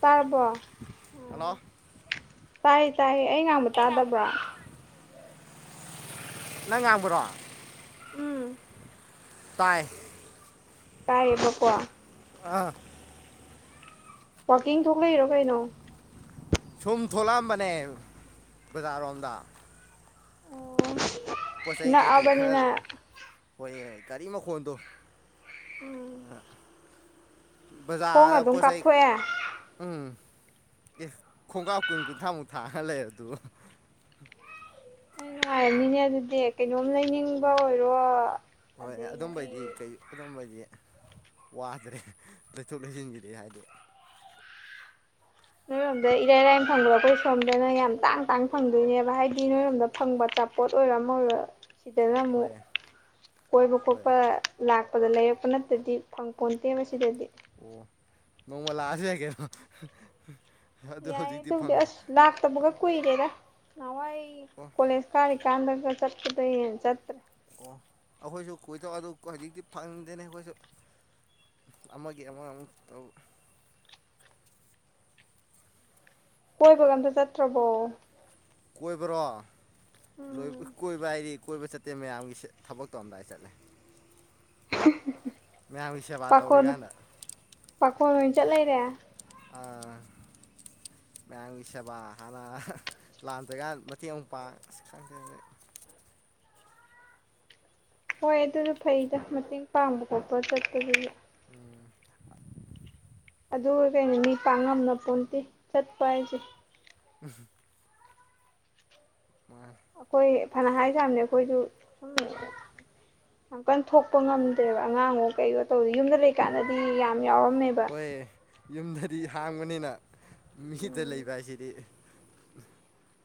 ꯇꯔꯕꯣ ꯇꯥꯏ ꯇꯥꯏ ꯑꯩ ꯉꯥꯡꯕ ꯇꯥꯗꯕ꯭ꯔꯥ ꯅꯪ ꯉꯥꯡꯕ꯭ꯔꯣ ꯎꯝ ꯆꯥꯏ ꯇꯥꯏꯕꯀꯋꯥ ꯑꯥ ꯋꯥꯋꯥꯛꯀꯤꯡ ꯊꯣꯛꯂꯛꯔꯣ ꯀꯩꯅꯣ ꯁꯨꯝ ꯊꯣꯛꯂꯛꯑꯝꯕꯅꯦ ꯕꯖꯥꯔꯔꯣꯝꯗ ꯑꯣ ꯄꯣꯠ ꯆꯩꯩ ꯀꯩꯀꯩ ꯈꯔ ꯍꯣꯏ ꯒꯥꯔꯤ ꯃꯈꯣꯗꯣ ꯎꯝ ꯈꯣꯡꯅ ꯕꯖꯥꯔꯗ ꯑꯗꯨꯝ ꯄꯣꯠ ꯆꯩ ꯀꯥꯞꯊꯣꯛꯑꯦ ꯎꯝ꯫ ꯑꯦ ꯈꯣꯡꯀꯥꯞ ꯀꯨꯟ ꯀꯨꯟꯊ꯭ꯔꯥꯃꯨꯛ ꯊꯥꯡꯉ ꯂꯩꯔꯗꯨꯕꯨ꯫ ꯅꯣꯢ ꯅꯨꯉꯥꯏꯔꯅꯤꯅꯦ ꯑꯗꯨꯗꯤ ꯀꯩꯅꯣꯝ ꯂꯩꯅꯤꯡꯕ ꯑꯣꯏꯔꯣ ꯍꯣꯏ ꯑꯗꯩꯗꯤ ꯑꯗꯨꯝꯕꯩꯗꯤ ꯀꯩ ꯑꯗꯨꯝꯕꯩꯗꯤ ꯋꯥꯗ꯭ꯔꯦ ꯂꯩꯊꯣꯛ ꯂꯩꯁꯤꯟꯒꯤꯗꯤ ꯍꯥꯏꯗꯤ ꯐꯝꯗ ꯏꯔꯥꯏ ꯂꯥꯏꯅ ꯐꯪꯕ ꯑꯩꯈꯣꯏ ꯁꯣꯝꯗꯅ ꯌꯥꯝ ꯇꯥꯡ ꯇꯥꯡ ꯐꯪꯗꯣꯏꯅꯦꯕ ꯍꯥꯏꯗꯤ ꯅꯣꯏꯔꯣꯝꯗ ꯐꯪꯕ ꯑꯆꯥꯄꯣꯠ ꯑꯣꯏ [unintelligible] ꯁꯤꯗꯅ ꯑꯃꯨꯛ ꯍꯣꯏ ꯀꯣꯏꯕ ꯍꯣꯏ ꯈꯣꯠꯄ ꯂꯥꯛ ꯄꯗ ꯂꯩꯔꯛꯄ ꯅꯠꯇꯗꯤ ꯐꯪ ꯄꯣꯟꯇꯦꯕ ꯁꯤꯗꯗꯤ꯫ ꯑꯣ ꯅꯣꯡꯃ ꯂꯥꯛꯑ [unintelligible] ꯌꯥꯏꯌꯦ ꯑꯗꯨꯕꯨꯗꯤ ꯑꯁ ꯂꯥꯛꯇꯕꯒ ꯀꯨꯏꯔꯦꯗ ꯅꯍꯥꯟꯋꯥꯏ ꯑꯣ ꯀꯣꯂꯦꯖ ꯀꯥꯔꯤ ꯀꯥꯟꯗꯒ ꯆꯠꯄꯗꯩ ꯍꯦꯟꯅ ꯆꯠꯇ꯭ꯔꯦ꯫ ꯑꯣ ꯑꯩꯈꯣꯏꯖꯨ ꯀꯣꯏꯗꯧ ꯑꯗꯨ ꯍꯧꯖꯤꯛꯇꯤ ꯐꯪꯗꯦꯅꯦ ꯑꯩꯈꯣꯏꯖꯨ꯫ ꯑꯃꯒꯤ ꯑꯃ ꯑꯃꯨꯛ ꯇꯧ꯫ ꯀꯣꯢꯏꯕꯒ ꯑꯝꯇ ꯆꯠꯇ꯭ꯔꯕꯣ꯫ ꯀꯣꯏꯕꯔꯣ ꯎꯝ [unintelligible] ꯀꯣꯏꯕ ꯍꯥꯏꯗꯤ ꯀꯣꯏꯕ ꯆꯠꯇꯦ ꯃꯌꯥꯝꯒꯤ ꯊꯕꯛ ꯇꯧꯔꯝꯗꯥꯏ ꯆꯠꯂꯦ꯫ ꯃꯌꯥꯝꯒꯤ [unintelligible] ꯁꯦꯕꯥ ꯄꯥꯈꯣꯟ ꯇꯧꯔꯤꯀꯥꯟꯗ ꯄꯥꯈꯣꯟ ꯑꯣꯏ ꯆꯠꯂꯩꯔꯦ꯫ ꯑꯥ꯫ ꯃꯌꯥꯝꯒꯤ ꯁꯦꯕꯥ ꯍꯥꯟꯅ ꯂꯥꯛꯇ꯭ꯔꯤꯀꯥꯟ ꯃꯇꯦꯡ ꯑꯃꯨꯛ ꯄꯥꯡ ꯑꯁ ꯈꯪꯗꯔꯦꯅꯦ꯫ ꯍꯣꯏ ꯑꯗꯨꯖꯨ ꯐꯩꯗ ꯃꯇꯦꯡ ꯄꯥꯡꯕ ꯈꯣꯠꯄ ꯆꯠꯄꯗꯨꯖꯨ꯫ ꯎꯝ ꯑꯗꯨꯒ ꯀꯩꯅꯣ ꯃꯤ ꯄꯥꯡꯉꯝꯅ ꯄꯣꯟꯇꯦ ꯆꯠꯄ ꯍꯥꯏꯖꯦ꯫ [unintelligible] ꯃꯥꯅꯤ ꯑꯩꯈꯣꯏ ꯐꯅ ꯍꯥꯏꯁꯥꯃꯦ ꯑꯩꯈꯣꯏꯖꯨ ꯁꯨꯝ ꯌꯥꯝ ꯀꯟ ꯊꯣꯛꯄ ꯉꯝꯗꯦꯕ ꯑꯉꯥꯡꯅꯦ ꯀꯩꯅꯦ ꯇꯧꯔꯤ ꯌꯨꯝꯗ ꯍꯣꯏ ꯂꯩꯀꯥꯟꯗꯗꯤ ꯌꯥꯝ ꯌꯥꯎꯔꯝꯃꯦꯕ꯫ ꯍꯣꯏ ꯌꯨꯝꯗꯗꯤ ꯍꯥꯡꯕꯅꯤꯅ ꯃꯤꯗ ꯎꯝ ꯂꯩꯗꯥꯢ ꯁꯤꯗꯤ꯫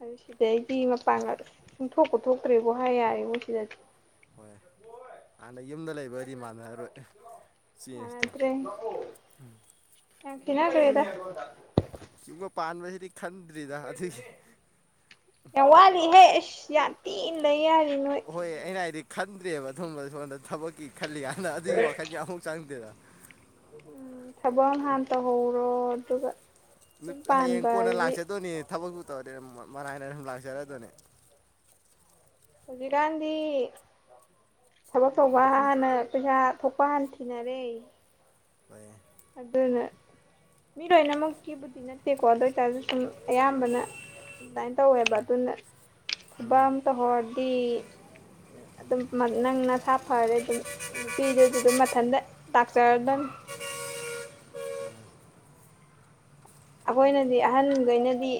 ꯑꯗꯨ ꯁꯤꯗꯩꯗꯤ ꯃꯄꯥꯟꯒꯥꯇꯣ ꯁꯨꯡꯊꯣꯛꯄꯨ ꯊꯣꯛꯇ꯭ꯔꯦꯕꯣ ꯍꯥꯏ ꯌꯥꯏꯌꯦꯕꯣ ꯁꯤꯗꯗꯤ꯫ ꯍꯣꯏ ꯍꯥꯟꯅ ꯌꯨꯝꯗ ꯂꯩꯕꯗꯤ ꯃꯥꯟꯅꯔꯔꯣꯏ꯫ ꯆꯦꯟꯖꯇꯣ ꯃꯥꯥꯟꯅꯗ꯭ꯔꯦ ꯌꯥꯝ ꯈꯦꯠꯅꯒ꯭ꯔꯦꯗ꯫ ꯌꯨꯝꯒ ꯄꯥꯟꯕꯖꯤꯗꯤ ꯈꯟꯗ꯭ꯔꯤꯗ ꯑꯗꯨꯒꯤ꯫ ꯌꯥꯝ ꯋꯥꯠꯂꯤꯍꯦ ꯌꯥꯝ ꯊꯤ [unintelligible] ꯍꯣꯏ ꯑꯩꯅ ꯍꯥꯏꯗꯤ ꯈꯟꯗ꯭ꯔꯦꯕ ꯑꯗꯨꯝꯕ ꯁꯣꯝꯗ ꯊꯕꯛꯀꯤ ꯈꯜꯂꯤꯀꯥꯟꯅꯗ ꯑꯗꯨꯒꯤ ꯋꯥꯈꯟꯖꯨ ꯑꯃꯨꯛ ꯆꯪꯗꯦꯗ꯫ ꯎꯝ ꯊꯕꯛ ꯑꯃ ꯍꯥꯟ ꯇꯧꯍꯧꯔꯣ ꯑꯗꯨꯒ ꯌꯨꯝ ꯍꯌꯦꯡ ꯄꯥꯟꯕ ꯀꯣꯟꯅ ꯍꯥꯏꯁꯤꯗꯤ ꯂꯥꯛꯆꯗꯣꯏꯅꯤ ꯊꯕꯛꯄꯨ ꯇꯧꯔꯗꯤ ꯃ ꯃꯔꯥꯏꯅ ꯑꯗꯨꯝ ꯂꯥꯛꯆꯔꯗꯣꯏꯅꯦ꯫ ꯍꯧꯖꯤꯛꯀꯥꯟꯗꯤ ꯊꯕꯛ ꯇꯧꯕ ꯍꯥꯟꯅ ꯄꯩꯁꯥ ꯊꯣꯛꯄ ꯍꯥꯟꯅ ꯊꯤꯅꯔꯦ꯫ [unintelligible] ꯑꯗꯨꯅ ꯃꯤ ꯂꯣꯏꯅꯃꯛꯀꯤꯕꯨꯗꯤ ꯅꯠꯇꯦꯀꯣ ꯑꯗꯨ ꯑꯣꯏꯇꯥꯔꯖꯨ ꯁꯨꯝ ꯑꯌꯥꯝꯕꯅ ꯑꯗꯨꯃꯥꯏ ꯇꯧꯋꯦꯕ ꯑꯗꯨꯅ ꯊꯕꯛ ꯑꯃ ꯇꯧꯍꯧꯔꯗꯤ ꯑꯗꯨꯝ ꯅꯪ ꯅꯁꯥ ꯐꯔꯦ ꯑꯗꯨꯝ ꯅꯨꯄꯤꯗꯨꯖꯨ ꯑꯗꯨꯝ ꯃꯊꯟꯇ ꯂꯥꯛꯆꯔꯗꯝꯃꯤ꯫ [inaudible] ꯑꯩꯈꯣꯏꯅꯗꯤ ꯑꯍꯟꯒꯩꯅꯗꯤ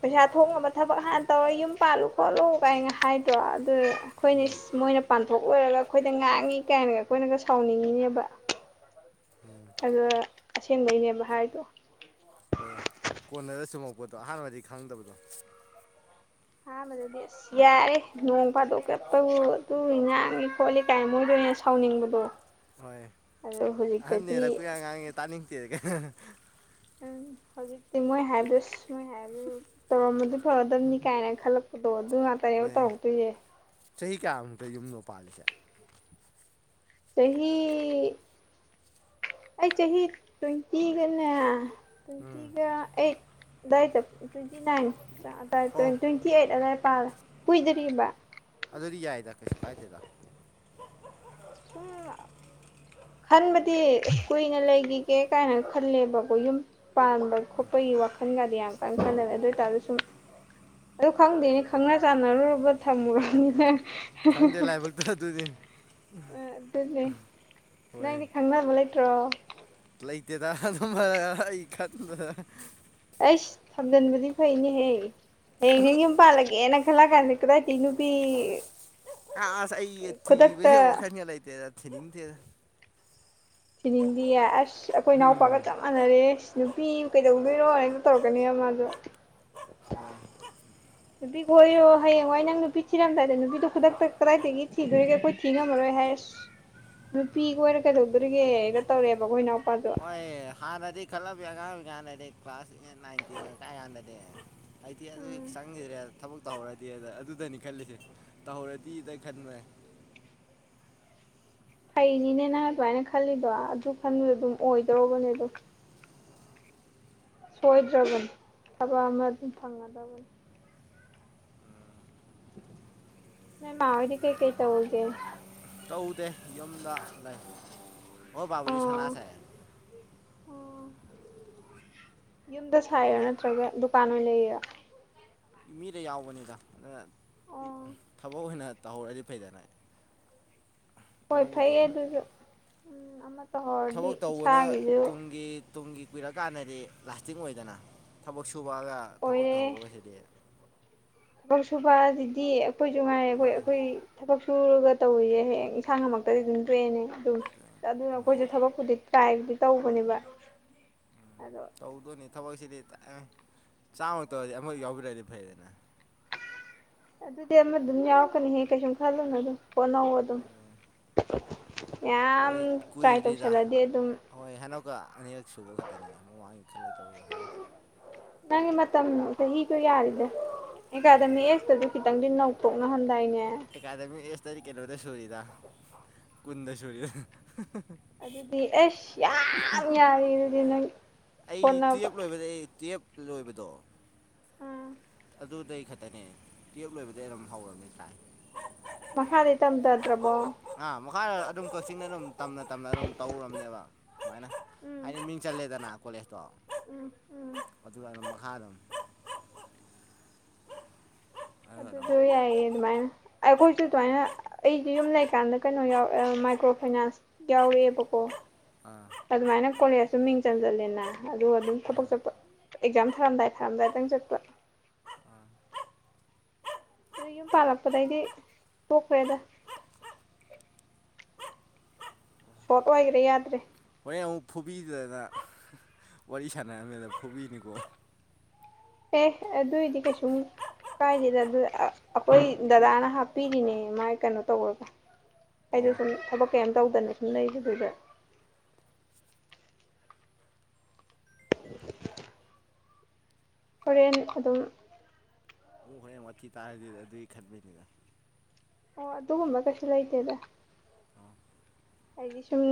ꯄꯩꯁꯥ ꯊꯣꯡꯉꯅꯕ ꯊꯕꯛ ꯍꯥꯟꯅ ꯇꯧꯔ ꯌꯨꯝ ꯄꯥꯜꯂꯨ ꯈꯣꯠꯂꯨ ꯀꯥꯏꯅ ꯍꯥꯏꯗ꯭ꯔꯣ ꯑꯗꯨ ꯑꯩꯈꯣꯏ [unintelligible] ꯃꯣꯏꯅ ꯄꯥꯟꯊꯣꯛ ꯂꯣꯏꯔꯒ ꯑꯩꯈꯣꯏꯗ ꯉꯥꯡꯉꯤ ꯀꯥꯏꯅꯒ ꯑꯩꯈꯣꯏꯅꯒ ꯁꯥꯎꯅꯤꯡꯉꯤꯅꯦꯕ꯫ ꯎꯝ ꯑ ꯑꯁꯦꯡꯕꯩꯅꯦꯕ ꯍꯥꯏꯗꯣ ꯍꯣꯏ ꯀꯣꯟꯅꯔ ꯆꯨꯝꯃꯛꯄꯗꯣ ꯑꯍꯥꯟꯕꯗꯤ ꯈꯪꯗꯕꯗꯣ ꯑꯍꯥꯟꯕꯗꯅꯦ ꯑꯁ ꯌꯥꯔꯦ ꯅꯣꯡ ꯐꯥꯗꯣꯛ ꯀꯦꯛꯇꯕꯨ ꯑꯗꯨ ꯉꯥꯡꯏ ꯈꯣꯠꯂꯤ ꯀꯥꯏ ꯃꯣꯏꯗ ꯁꯥꯎꯅꯤꯡꯕꯗꯣ ꯍꯣꯏ ꯑ ꯍꯧꯖꯤꯛꯇꯗꯤ ꯑꯍꯟꯅꯦꯔ ꯑ ꯀꯨꯌꯥ ꯉꯥꯡꯉꯦ ꯇꯥꯅꯤꯡꯗꯦ ꯎꯝ ꯍꯧꯖꯤꯛꯇꯤ ꯃꯣꯏ ꯍꯥꯏꯕ ꯃꯣꯏ ꯍꯥꯏꯕ ꯇꯧꯔꯝꯕꯗꯤ ꯐꯒꯗꯕꯅꯤ ꯀꯥꯏꯅ ꯈꯜꯂꯛꯄ ꯍꯣꯏ ꯆꯍꯤ ꯀꯌꯥꯃꯨꯛꯇ ꯌꯨꯝꯗꯣ ꯄꯥꯜꯂꯤꯁꯦ ꯆꯍꯤ ꯑꯩ ꯆꯍꯤ ꯇ꯭ꯋꯦꯟꯇꯤꯒꯅꯦ ꯎꯝ ꯇ꯭ꯋꯦꯟꯇꯤꯒ ꯑꯩꯠ ꯑꯏꯗ ꯇ꯭ꯋꯦꯟꯇꯤ ꯅꯥꯏꯟ ꯑꯣ ꯇ꯭ꯋꯦꯟꯇꯤ ꯑꯩꯠ ꯑ ꯄ ꯀꯨꯏꯗꯔꯤꯕ ꯑꯗꯨꯗꯤ ꯌꯥꯏꯗ ꯀꯩꯁꯨ ꯀꯥꯏꯗꯦꯗ ꯁꯨꯝ ꯈꯟꯕꯗꯤ ꯀꯨꯏꯅ ꯂꯩꯈꯤꯒꯦ ꯀꯥꯏꯅ ꯈꯜꯂꯦꯕꯀꯣ ꯌꯨꯝ ꯄꯥꯟꯕ ꯈꯣꯠꯄ ꯋꯥꯈꯜꯒꯗꯤ ꯌꯥꯝ ꯀꯟꯅ ꯈꯜꯟꯅꯔꯦ ꯑꯗꯨ ꯑꯣꯏꯇꯥꯔꯗꯤꯁꯨ ꯁꯨꯝ ꯑꯗꯨ ꯈꯪꯗꯦꯅꯤ ꯈꯪꯅ ꯆꯥꯟꯅꯔꯨꯔꯕ ꯊꯝꯃꯨꯔꯕꯅꯤꯅ ꯈꯪꯗꯦ ꯂꯥꯏꯕꯛꯇꯣ ꯑꯗꯨꯗꯤ ꯑ ꯑꯗꯨꯅꯦ ꯍꯣꯏ ꯅꯪꯗꯤ ꯈꯪꯅꯕ ꯂꯩꯇ꯭ꯔꯣ ꯂꯩꯇꯦꯗ ꯑꯗꯨꯝꯕ ꯑꯩ ꯀꯥꯟꯗ ꯑꯩꯁ ꯊꯝꯖꯤꯟꯕꯗꯤ ꯐꯩꯅꯦ ꯍꯌꯦꯡ ꯍꯌꯦꯡ ꯅꯪ ꯌꯨꯝ ꯄꯥꯜꯂꯒꯦꯅ ꯈꯂꯥ ꯀꯅꯤꯂ ꯇꯤꯅꯨ ꯄ ꯑꯁ ꯊ ꯋꯥꯈꯔ ꯂꯩ ꯇꯦꯔ ꯊꯔ ꯁꯤꯅꯤꯡꯗꯤꯌꯦ ꯑꯁ ꯑꯩꯈꯣꯏ ꯏꯅꯥꯎꯄꯥꯒ ꯎꯝ ꯆꯞ ꯃꯥꯟꯅꯔꯦ ꯅꯨꯄꯤ ꯀꯩꯗꯧꯗꯣꯏꯅꯣ ꯑꯛꯇ ꯇꯧꯔꯛꯀꯅꯤ ꯃꯥꯗꯣ ꯍꯣꯏ ꯅꯨꯄꯤꯒ ꯑꯣꯏꯔꯣ ꯍꯌꯦꯡꯋꯥꯏ ꯅꯪ ꯅꯨꯄꯤ ꯊꯤꯔꯝꯗꯥꯏꯗ ꯅꯨꯄꯤꯗꯣ ꯈꯨꯗꯛꯇ ꯀꯗꯥꯏꯗꯒꯤ ꯊꯤꯗꯣꯏꯒ ꯑꯩꯈꯣꯏ ꯊꯤ ꯉꯝꯃꯔꯣꯏ ꯍꯥꯏꯔꯦ ꯑ ꯅꯨꯄꯤꯒ ꯑꯣꯏꯔ ꯀꯩꯗꯧꯗꯣꯔꯤꯒꯦꯒ ꯇꯧꯔꯛꯦꯕ ꯑꯩꯈꯣꯏꯅ ꯍꯣꯏ ꯍꯥꯥꯟ ꯅ ꯈꯂꯕ ꯑꯉꯥꯡꯕꯤ ꯀꯥꯟꯗꯗꯤ ꯀ꯭ꯂꯥꯁ ꯅꯥꯏꯟ ꯇꯦꯟ ꯀꯥꯏ ꯀꯥꯟꯗꯗꯤ ꯑꯩꯗꯤꯤ ꯑꯗꯨ ꯎꯝ ꯆꯪꯈꯤꯗ꯭ꯔꯦ ꯊꯕꯛ ꯇꯧꯔꯗꯤꯗ ꯑꯗꯨꯗꯅꯤ ꯈꯜꯂꯤꯁꯦ ꯇꯧꯍꯧꯔꯗꯤꯗ ꯈꯟꯕꯦ [inaudible] ꯐꯩꯅꯤꯅꯦ ꯅꯪ ꯑꯗꯨꯃꯥꯏꯅ ꯈꯜꯂꯤꯗꯣ ꯑꯗꯨ ꯈꯟꯗꯨꯗ ꯑꯗꯨꯝ ꯑꯣꯏꯗꯧꯕꯅꯦ ꯑꯗꯣ ꯁꯋꯥꯣꯏꯗ꯭ꯔꯒꯟ ꯊꯥꯕ ꯑꯃ ꯑꯗꯨꯝ ꯊꯥꯡꯅꯕ ꯇꯕ ꯅ ꯃꯥꯃꯗꯤ ꯀꯩ ꯀꯩ ꯇꯧꯕꯒꯦ ꯇꯧꯗꯦ ꯌꯨꯝꯗ ꯂꯩ ꯍꯣꯏ ꯕꯥꯕꯨꯔꯤ ꯑꯣ ꯁꯅꯥꯁꯦ ꯑꯣ ꯌꯨꯝꯗ ꯁꯥꯏꯔꯣ ꯅꯠꯇ꯭ꯔꯒ ꯗꯨꯀꯥꯟ ꯑꯣꯏꯅ ꯂꯩꯌꯦꯔ ꯃꯤꯗ ꯌꯥꯎꯕꯅꯤꯗ ꯑꯗꯨꯅ ꯑꯣ ꯊꯕꯛ ꯑꯣꯏꯅ ꯇꯧꯍꯧꯔꯗꯤ ꯐꯩꯗꯅ ꯍꯣꯏ ꯐꯩꯌꯦ ꯑꯗꯨꯁꯨ ꯎꯝ ꯇꯧꯍꯧꯔꯗꯤ ꯊꯕꯛ ꯇꯧꯕꯅ ꯏꯁꯥꯒꯤꯁꯨ ꯇꯨꯡꯒꯤ ꯇꯨꯡꯒꯤ ꯀꯨꯏꯔ ꯀꯥꯟꯗꯗꯤ ꯂꯥꯁꯇꯤꯡ ꯑꯣꯏꯗꯅ ꯊꯕꯛ ꯁꯨꯕꯑꯒ ꯊꯕꯛ ꯑꯣꯏꯔꯦ ꯇꯧꯍꯧꯕꯒꯁꯤꯗꯤ ꯊꯕꯛ ꯁꯨꯕ ꯑꯗꯨꯗꯤ ꯑꯩꯈꯣꯏꯁꯨꯅꯨꯡ ꯉꯥꯏꯔꯦ ꯑꯩꯈꯣꯏ ꯑꯩꯈꯣꯏ ꯊꯕꯛ ꯁꯨꯔꯒ ꯇꯧꯔꯤꯁꯦ ꯍꯌꯦꯡ ꯏꯁꯥ ꯉꯃꯛꯇꯗꯤ ꯑꯗꯨꯝ ꯇꯑꯅꯦ ꯑꯗꯨꯝ ꯑꯗꯨꯅ ꯑꯩꯈꯣꯏꯁꯨ ꯊꯕꯛꯄꯨꯗꯤ ꯇꯥꯏ ꯇꯧꯕꯅꯦꯕ ꯑꯗꯣ ꯇꯧꯗꯣꯏꯅꯦ ꯊꯕꯛꯁꯤꯗꯤ ꯆꯥꯝꯃ ꯇꯧꯔꯗꯤ ꯑꯃꯐꯛ ꯌꯥꯎꯕꯤꯔꯛꯑꯗꯤ ꯐꯩꯗꯅ ꯑꯗꯨꯗꯤ ꯑꯃ ꯑꯗꯨꯝ ꯌꯥꯎꯔꯛꯀꯅꯤꯍꯦ ꯀꯩꯁꯨꯝ ꯈꯜꯂꯨꯅ ꯑꯗꯨꯝ ꯍꯣꯟꯅꯧꯑꯣ ꯑꯗꯨꯝ ꯍꯣꯏ ꯌꯥꯝ ꯇ꯭ꯔꯥꯏ ꯀꯨꯏꯗ꯭ꯔꯤꯗ ꯇꯧꯁꯜꯂꯗꯤ ꯑꯗꯨꯝ ꯍꯣꯏ ꯍꯟꯗꯛꯀ ꯑꯅꯤꯔꯛ ꯁꯨꯕ ꯈꯛꯇꯅꯤꯗ ꯃꯃꯥꯡꯒꯤ ꯈꯜꯂꯛꯇꯕꯗꯣ ꯍꯥꯏꯛꯇꯦ ꯅꯪꯒꯤ ꯃꯇꯝ ꯆꯍꯤꯗꯣ ꯌꯥꯔꯤꯗꯦ ꯑꯦꯀꯥꯗꯃꯤ ꯌꯥꯔꯦ ꯑꯦꯁꯇꯁꯨ ꯈꯤꯇꯪꯗꯤ ꯅꯧꯊꯣꯛꯅꯍꯟꯗꯥꯏꯅꯦ ꯑꯦꯥꯗ ꯃꯤ ꯑꯦꯁ ꯇꯔꯤ ꯀꯂꯗ ꯁꯔꯤꯗꯥ ꯀꯨꯟꯗ ꯁꯔꯤꯗꯥ ꯑꯗꯨꯗꯤ ꯑꯩꯁ ꯌꯥꯝ ꯌꯥꯏ ꯑꯗꯨꯗꯤ ꯅꯪ ꯁꯣꯠꯅꯕ ꯂꯣꯏꯕꯗ ꯎꯝ ꯑꯗꯨꯗꯩ ꯈꯛꯇꯅꯦ ꯀꯦꯞ ꯂꯣꯏꯕꯗꯒꯤꯩ ꯑꯗꯨꯝ ꯍꯧꯔꯕꯝꯅꯤ ꯇꯥꯏ ꯃꯈꯥꯗꯤ b ꯇꯝꯊꯗ꯭ꯔꯕꯣ ꯃꯈꯥ ꯑꯗꯨꯝ ꯀꯛꯆꯤꯡꯅ ꯑꯗꯨꯝ ꯇꯝꯅ ꯇꯝꯅ ꯑꯗꯨꯝ ꯇꯧꯔꯔꯕꯅꯦꯕ ꯁꯨꯃꯥꯏꯅ ꯎꯝ ꯍꯥꯏꯗꯤ ꯃꯤꯡ ꯆꯜꯂꯦꯗꯅ ꯀꯣꯂꯦꯖꯇꯣ ꯎꯝ ꯎꯝ ꯑꯗꯨꯒ ꯑꯩꯅ ꯃꯈꯥ ꯑꯗꯨꯝ ꯑꯗꯨꯒ ꯑꯗꯨꯝ ꯑꯗꯨꯁꯨ ꯌꯥꯏꯌꯦ ꯑꯗꯨꯃꯥꯏꯅ ꯑꯩꯈꯣꯏꯁꯨ ꯑꯗꯨꯃꯥꯏꯅ ꯑꯩꯁꯨ ꯌꯨꯝ ꯂꯩꯀꯥꯟꯗ ꯀꯩꯅꯣ ꯌꯥꯎ ꯃꯥꯏꯀ꯭ꯔꯣ ꯐꯥꯏꯅꯥꯟꯁ ꯌꯥꯎꯔꯛꯑꯦꯕꯀꯣ ꯑꯥ ꯑꯗꯨꯃꯥꯏꯅ ꯀꯣꯂꯁꯨ ꯃꯤꯡ ꯆꯟ ꯆꯜꯂꯦꯅ ꯑꯗꯨꯒ ꯑꯗꯨꯝ ꯊꯕꯛ ꯑꯥ ꯆꯠꯄ ꯑꯦꯛꯖꯥꯝ ꯊꯥꯔꯝꯗꯥꯏ ꯊꯥꯔꯝꯗꯥꯏꯗꯪ ꯆꯠꯄ [inaudible] ꯑꯗꯨ ꯌꯨꯝ ꯄꯥꯜꯂꯛꯄꯗꯒꯤꯗꯤ ꯄꯣꯛꯈ꯭ꯔꯦꯗ ꯐꯣꯇꯣ ꯍꯥꯏꯔꯦ ꯌꯥꯗ꯭ꯔꯦ ꯃ ꯑꯃꯨꯛ ꯐꯨꯕꯤꯗꯗꯅ ꯋꯥꯔꯤ ꯁꯥꯟꯅꯔꯝꯃꯤꯗ ꯐꯨꯕꯤꯅꯤꯀꯣ ꯑꯦ ꯑꯗꯨꯏꯗꯤ ꯀꯩꯁꯨꯝ ꯀꯥꯏꯁꯤꯗ ꯑꯗꯨ ꯑꯩꯈꯣꯏ ꯗꯗꯥꯗꯥꯅ ꯍꯥꯞꯄꯤꯔꯤꯅꯦ ꯃꯥꯥꯏ ꯀꯩꯅꯣ ꯇꯧꯔꯒ ꯑꯩꯁꯨ ꯑꯣ ꯁꯨꯝ ꯊꯕꯛ ꯀꯩꯝ ꯇꯧꯗꯅ ꯁꯨꯝ ꯂꯩꯗꯨꯗꯨꯗ ꯍꯣꯔꯦꯟ ꯑꯗꯨꯝ ꯑꯃꯨꯛ ꯍꯣꯔꯦꯟ ꯋꯥꯊꯤ ꯇꯥꯔꯗꯤꯗ ꯑꯗꯨꯒꯤ ꯈꯟꯕꯅꯤꯗ ꯑꯣ ꯑꯗꯨꯒꯨꯝꯕ ꯀꯩꯁꯨ ꯂꯩꯇꯦꯗ ꯑꯣ ꯀꯩꯒꯤꯁꯝ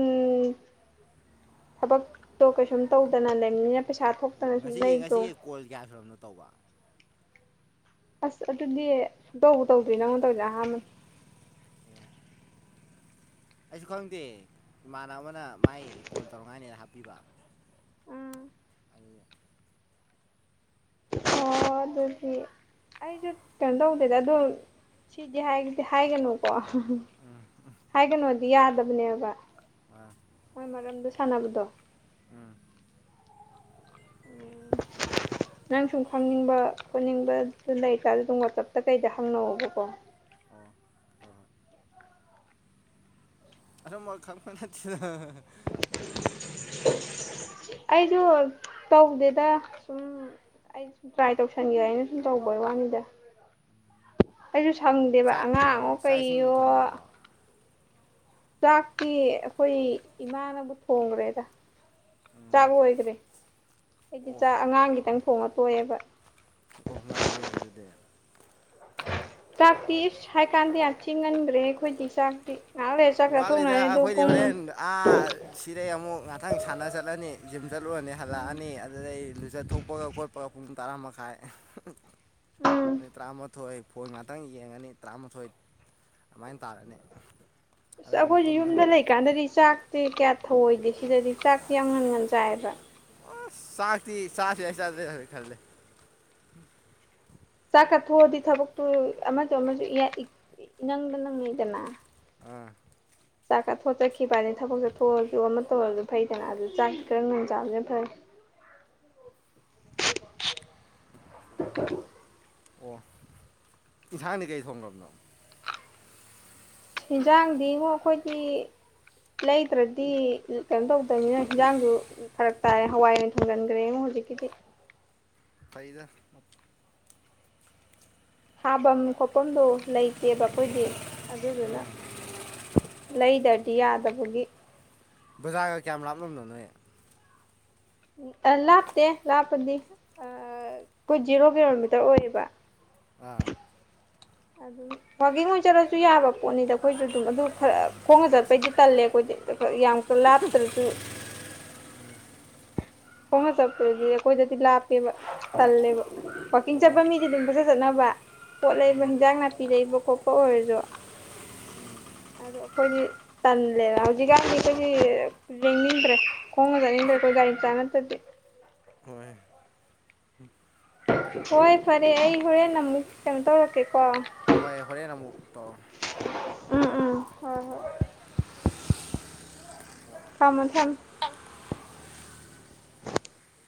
ꯊꯕꯛꯇꯣ ꯀꯩꯁꯨꯝ ꯇꯧꯗꯅ ꯂꯩꯕꯅꯤꯅ ꯄꯩꯁꯥ ꯊꯣꯛ ꯑꯣ ꯉꯁꯤꯒꯤ ꯉꯁꯤꯒꯤ ꯀꯣꯜ ꯀꯌꯥ ꯁꯨꯔꯔꯕꯅꯣ ꯇꯧꯕ ꯑꯁ ꯑꯗꯨꯗꯤ ꯇꯧ ꯇꯧꯗ꯭ꯦ ꯅꯪꯉꯣꯟ ꯇꯧꯗ ꯑꯍꯥꯟꯕ ꯑꯩꯁꯨ ꯈꯪꯗꯦ ꯏꯃꯥꯟꯅꯕꯅ ꯃꯥꯏ ꯀꯣꯜ ꯇꯧꯔꯉꯥꯏꯅꯤꯅ ꯍꯥꯞꯄꯤꯕ ꯎꯝ ꯑꯗꯨ ꯑ ꯑꯗꯨꯗꯤ ꯑꯩꯁꯨ ꯀꯩꯅꯣ ꯇꯧꯗꯦꯗ ꯑꯗꯣ ꯁꯤꯗꯤꯗꯤ ꯍꯥꯏꯒꯅꯨꯀꯣ ꯍꯥꯏꯒꯅꯣꯗꯤ ꯌꯥꯗꯕꯅꯦꯕ ꯑꯥ ꯍꯣꯏ ꯃꯔꯝꯗꯨ ꯁꯥꯟꯅꯕꯗꯣ ꯎꯝ ꯎꯝ ꯅꯪ ꯁꯨꯝ ꯈꯪꯅꯤꯡꯕ ꯈꯣꯠꯅꯤꯡꯕꯗꯨ ꯂꯩꯇꯥꯔ ꯑꯗꯨꯝ ꯋꯥꯆꯞꯇ ꯀꯩꯗ ꯍꯪꯅꯕꯀꯣ ꯑꯣ ꯍꯣꯏ ꯍꯣꯏ ꯑ ꯃ ꯈꯥ ꯑꯩꯁꯨ ꯇꯧꯗꯦꯗ ꯁꯨꯝ ꯑꯩ ꯁꯨꯝ ꯇ꯭ꯔꯥꯏ ꯇꯧꯁꯟꯒꯦ ꯑꯩꯅ ꯁꯨꯝ ꯇꯧꯕꯣꯏ ꯋꯥꯅꯤꯗ ꯑꯩꯁꯨ ꯐꯪꯗꯦꯕ ꯆꯥꯛ ꯍꯣꯏ ꯑꯉꯥꯡꯉꯣ ꯆꯥꯛ ꯏꯁꯤꯡꯕꯨ ꯀꯩꯌꯣ ꯊꯣꯡꯈ꯭ꯔꯕꯣ ꯆꯥꯛꯇꯤ ꯑꯩꯈꯣꯏ ꯏꯃꯥꯅꯕꯨ ꯊꯣꯡꯈ꯭ꯔꯦꯗ ꯆꯥꯛ ꯂꯈ꯭ꯔꯦ ꯍꯥꯏꯗꯤ ꯑꯣ ꯆꯥꯛ ꯑꯉꯥꯡꯒꯤꯈꯤꯇꯪ ꯊꯣꯡꯉ ꯇꯣꯏꯑꯦꯕ ꯑꯣ ꯉꯜꯂꯤ ꯑꯗꯨꯗꯤ ꯆꯥꯛꯇ ꯍꯥꯏꯀꯥꯟꯗ ꯌꯥꯝ ꯊꯤꯍꯟꯈ꯭ꯔꯦ ꯑꯩꯈꯣꯏꯗꯤ ꯆꯥꯛꯇꯤ ꯉꯥꯏꯍꯥꯛ ꯂꯩꯔ ꯆꯥꯛ ꯋꯥꯠꯂꯤꯗ ꯆꯥꯊꯣꯛꯅꯔꯦ ꯑꯗꯨ ꯑꯩꯈꯣꯏꯗꯤ ꯄꯨꯡ ꯍꯣꯔꯦꯟ ꯑꯥ ꯁꯤꯔꯦ ꯑꯃꯨꯛ ꯉꯍꯇꯪ ꯁꯥꯟꯅ ꯆꯠꯂꯅꯤ ꯖꯤꯝ ꯆꯠꯂꯨꯔ ꯐꯅꯦ ꯍꯜꯂꯛꯑꯅꯤ ꯑꯗꯨꯗ ꯑꯩ ꯂꯨꯆꯠ ꯊꯣꯛꯄꯒ ꯈꯣꯠꯄꯒ ꯇꯔꯥꯃꯈꯥꯏ ꯎꯝ ꯑ ꯇꯔꯥꯃ ꯊꯣꯏ ꯐꯣꯟ ꯉꯥꯛꯇꯪ ꯌꯦꯡꯉꯅꯤ ꯇꯔꯥꯃꯥꯊꯣꯏ ꯑꯗꯨꯃꯥꯏꯅ ꯇꯥꯔꯅꯤ ꯑꯁ ꯑꯗ ꯑꯃꯨꯛ ꯑꯩꯈꯣꯏꯁꯦ ꯇꯨꯝꯃꯅꯤ ꯌꯨꯝꯗ ꯂꯩꯀꯥꯟꯗꯗꯤ ꯆꯥꯛ ꯇꯦ ꯀꯌꯥ ꯊꯧꯑꯣꯏꯗꯦ ꯁꯤꯗꯗꯤ ꯆꯥꯛꯇ ꯌꯥꯝ ꯉꯟꯒꯟ ꯆꯥꯏꯌꯦꯕ꯭ꯔ ꯑꯣ ꯁꯥ ꯊꯤ ꯁꯥꯁꯤ ꯍꯥꯏ ꯆꯦ ꯈꯜꯦ ꯆꯥꯛ ꯀꯥ ꯊꯣꯛꯑꯗꯤ ꯊꯕꯛꯇꯨ ꯑꯃꯁ ꯑꯃꯁꯨ ꯅꯪꯕ ꯅꯪꯉꯗꯅ ꯑꯥ ꯆꯥꯛꯀ ꯊꯣꯆꯈꯤꯕꯅꯤ ꯊꯕꯛꯁ ꯊꯣꯛꯑꯁꯨ ꯑꯃ ꯇꯧꯔꯁꯨ ꯐꯩꯗꯅ ꯑꯗꯨ ꯆꯥꯛꯁꯤ ꯈꯔꯪ ꯅꯨꯡꯣꯡ ꯆꯥꯕꯁꯅ ꯐꯔꯦ [inaudible] [inaudible] ꯑꯣ ꯌꯦꯟꯁꯥꯡꯗꯤ ꯀꯩ ꯊꯣꯡꯈ꯭ꯔꯕꯅꯣ ꯏꯟꯁꯥꯡꯗꯤꯕꯨ ꯑꯩꯈꯣꯏꯒꯤ ꯂꯩꯇ꯭ꯔꯗꯤ ꯀꯩꯅꯣ ꯇꯧꯗꯅꯤꯅ ꯍꯤꯟꯖꯥꯡꯗꯨ ꯐꯔꯛ ꯇꯥꯏꯔ ꯍꯋꯥꯏ ꯑꯣꯏꯅ ꯊꯣꯡꯒꯟꯈ꯭ꯔꯦ ꯑꯩꯉꯣꯟ ꯀꯗꯤ ꯀꯗꯤ ꯐꯩꯗ ꯊꯥꯐꯝ ꯈꯣꯠꯐꯝꯗꯨꯣ ꯂꯩꯇꯦꯕ ꯑꯩꯈꯣꯏꯗꯤ ꯑꯗꯨꯗꯨꯅ ꯂꯩꯩꯗꯗꯤ ꯌꯥꯗꯕꯒꯤ ꯕꯖꯥꯔꯒ ꯀꯌꯥꯝ ꯂꯥꯞꯂꯝꯅꯣ ꯅꯣꯏ ꯂꯥꯞꯇꯦ ꯂꯥꯞꯄꯗꯤ ꯑꯩꯈꯣꯏ ꯖꯤꯔꯣ ꯀꯤꯂꯣꯃꯤꯇꯔ ꯑꯣꯏꯌꯦꯕ ꯑꯥ ꯑꯗꯨꯝ ꯋꯥꯒꯤꯡ ꯑꯣꯏꯖꯔꯁꯨ ꯌꯥꯕ ꯄꯣꯠꯅꯤꯗ ꯑꯩꯈꯣꯏꯁꯨ ꯑꯗꯨꯝ ꯑꯗꯨ ꯈꯔ ꯈꯣꯡꯅ ꯆꯠꯄꯩꯗꯤ ꯇꯜꯂꯦ ꯑꯩꯈꯣꯏꯗꯤ ꯌꯥꯝ ꯀ ꯂꯥꯇꯁꯨ ꯈꯣꯡꯅ ꯆꯠꯄꯗꯗꯤ ꯑꯩꯈꯣꯏꯗꯗꯤ ꯂꯥꯞꯄꯦꯕ ꯇꯜꯂꯦꯕ ꯋꯥꯋꯥꯛꯀꯤꯡ ꯑꯣ ꯆꯠꯄ ꯃꯤꯗꯤ ꯑꯗꯨꯝ ꯐꯖ ꯐꯖꯅꯕ ꯄꯣꯠ ꯂꯩꯕ ꯍꯤꯟꯖꯥꯡ ꯅꯥꯄꯤ ꯂꯩꯕ ꯈꯣꯠꯄ ꯑꯣꯏꯔꯁꯨ ꯑꯗꯣ ꯑꯩꯈꯣꯏꯗꯤ ꯇꯜꯂꯦꯅ ꯍꯧꯖꯤꯛꯀꯥꯟꯗꯤ ꯑꯩꯈꯣꯏꯗꯤ ꯌꯦꯡꯅꯤꯡꯗ꯭ꯔꯦ ꯈꯣꯡꯉ ꯆꯠꯅꯤꯡꯗ꯭ꯔꯦ ꯑꯩꯈꯣꯏ ꯒꯒꯥ ꯆ ꯅꯠꯇꯗꯤ ꯍꯣꯏ ꯐꯩ ꯍꯣꯏ ꯐꯔꯦ ꯑꯩ ꯍꯣꯔꯦꯟ ꯑꯃꯨꯛ ꯀꯩꯅꯣ ꯇꯧꯔꯛꯀꯦ ꯍꯣꯏ ꯍꯣꯔꯦꯟ ꯑꯃꯨꯛ ꯇꯧꯔ ꯎꯝ ꯎꯝ ꯍꯣꯏ ꯍꯣꯏ ꯀꯃ ꯊꯝ